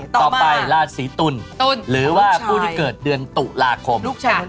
ต่อไปราศีตุลหรือว่าผู้ที่เกิดเดือนตุลาคม